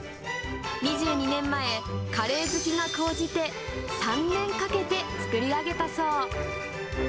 ２２年前、カレー好きが高じて、３年かけて作り上げたそう。